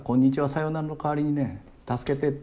「さよなら」の代わりにね「助けて」